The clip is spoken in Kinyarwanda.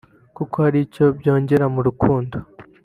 kuko hari icyo byongera mu rukundo